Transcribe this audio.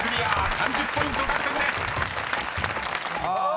３０ポイント獲得です］